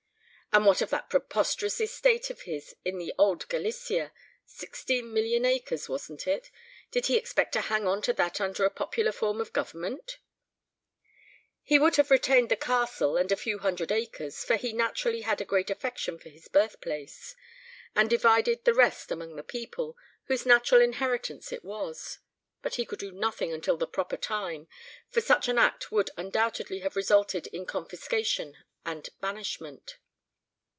"And what of that preposterous estate of his in the old Galicia sixteen million acres, wasn't it? Did he expect to hang on to that under a popular form of government?" "He would have retained the castle and a few hundred acres, for he naturally had a great affection for his birthplace; and divided the rest among the people, whose natural inheritance it was. But he could do nothing until the proper time, for such an act would undoubtedly have resulted in confiscation and banishment.